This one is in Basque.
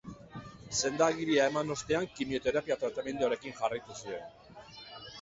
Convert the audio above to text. Senda-agiria eman ostean, kimioterapia tratamenduarekin jarraitu zuen.